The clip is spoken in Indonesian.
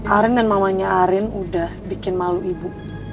arin dan mamanya arin udah bikin malu ibu